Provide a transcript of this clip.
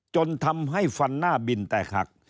จนทำให้ฟันหน้าบินแตกหัก